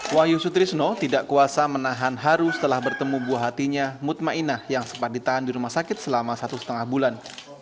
wahyu sutrisno tidak kuasa menahan haru setelah bertemu buah hatinya mutmainah yang sempat ditahan di rumah sakit selama satu setengah bulan